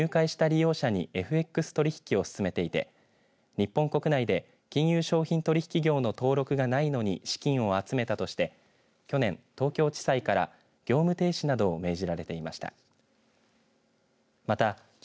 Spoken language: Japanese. この会社は富裕層向けの会員制サイトを運営し入会した利用者にＦＸ取引を進めていて日本国内で金融商品取引業の登録がないのに資金を集めたとして去年、東京地裁から業務停止などを命じられていました。